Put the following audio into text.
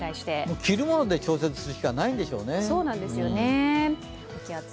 着るもので調節するしかないんでしょうね。